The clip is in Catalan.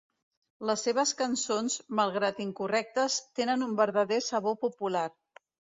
Les seves cançons, malgrat incorrectes, tenen un verdader sabor popular.